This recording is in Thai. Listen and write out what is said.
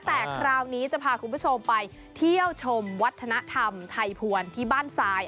แต่คราวนี้จะพาคุณผู้ชมไปเที่ยวชมวัฒนธรรมไทยภวรที่บ้านทราย